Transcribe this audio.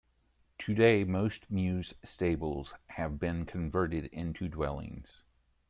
Today most mews stables have been converted into dwellings.